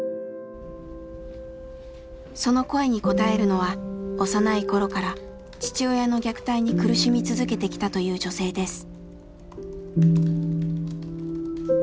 その声に応えるのは幼い頃から父親の虐待に苦しみ続けてきたという女性です。